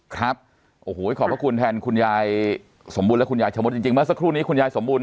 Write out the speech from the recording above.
ครับโอ้โหขอบพระคุณแทนคุณยายสมบูรณและคุณยายชะมดจริงเมื่อสักครู่นี้คุณยายสมบูรณ